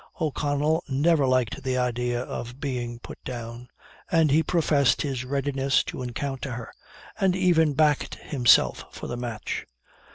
O'Connell never liked the idea of being put down, and he professed his readiness to encounter her, and even backed himself for the match.